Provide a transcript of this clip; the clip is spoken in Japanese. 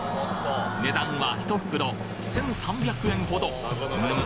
値段はひと袋１，３００円ほどむむ